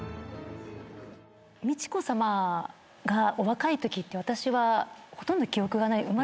美智子さまがお若いときって私はほとんど記憶がない。